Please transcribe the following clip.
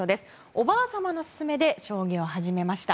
おばあ様の勧めで将棋を始めました。